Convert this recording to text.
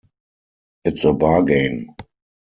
It's a bargain!